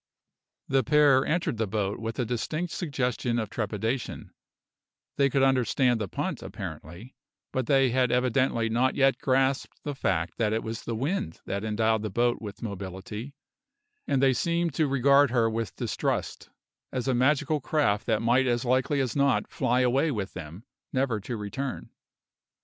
The pair entered the boat with a distinct suggestion of trepidation; they could understand the punt, apparently, but they had evidently not yet grasped the fact that it was the wind that endowed the boat with mobility, and they seemed to regard her with distrust, as a magical craft that might as likely as not fly away with them, never to return.